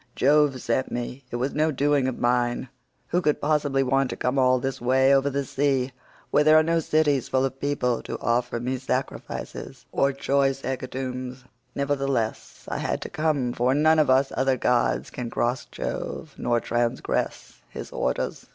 Jove sent me; it was no doing of mine; who could possibly want to come all this way over the sea where there are no cities full of people to offer me sacrifices or choice hecatombs? Nevertheless I had to come, for none of us other gods can cross Jove, nor transgress his orders.